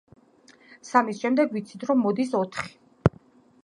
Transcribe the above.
სამის შემდეგ ვიცით რომ მოდის ოთხი.